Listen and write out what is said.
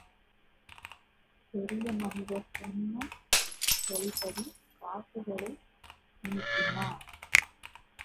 பெரிய மனிதர் சொன்ன சொல்படி காசுகளை நீட்டினார்.